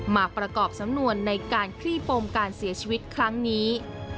มาประกอบสำนวนในการคลี่ปมการเสียชีวิตครั้งนี้